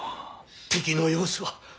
敵の様子は。